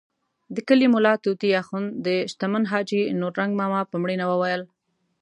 د کلي ملا طوطي اخند د شتمن حاجي نورنګ ماما په مړینه وویل.